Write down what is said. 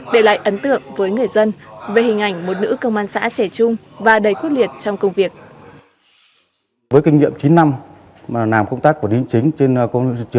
để lại ấn tượng với người dân về hình ảnh một nữ công an xã trẻ trung và đầy quốc liệt trong công việc